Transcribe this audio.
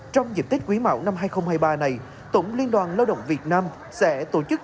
trong dịp tết quý mạo năm hai nghìn hai mươi ba này tổng liên đoàn lao động việt nam sẽ tổ chức